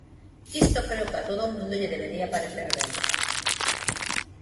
Isto creo que a todo o mundo lle debería parecer ben.